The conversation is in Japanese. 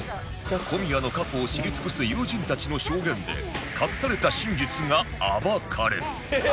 小宮の過去を知り尽くす友人たちの証言で隠された真実が暴かれる